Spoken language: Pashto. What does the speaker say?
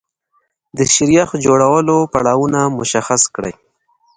د شیریخ جوړولو پړاوونه مشخص کړئ.